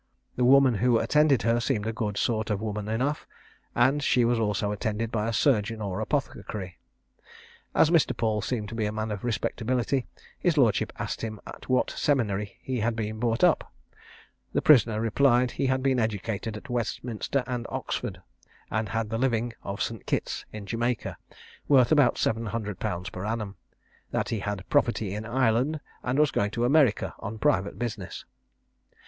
The woman who attended her seemed a good sort of a woman enough, and she was also attended by a surgeon or apothecary. As Mr. Paul seemed to be a man of respectability, his lordship asked him at what seminary he had been brought up: the prisoner replied he had been educated at Westminster and Oxford, and had the living of St. Kitt's, in Jamaica, worth about 700_l._ per annum; that he had property in Ireland, and was going to America on private business.